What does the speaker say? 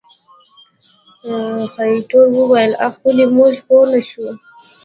خېټور وويل اخ ولې موږ پوه نه شو.